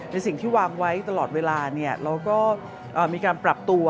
ในสิ่งที่วางไว้ตลอดเวลาเราก็มีการปรับตัว